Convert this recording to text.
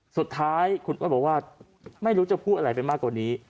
สุดท้ายคุณอ้วนบอกว่าไม่รู้จะพูดอะไรไปมากกว่านี้